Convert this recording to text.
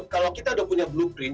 kalau kita udah punya blueprint